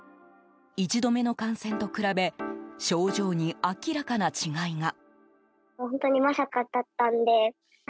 １度目の感染と比べ症状に明らかな違いが。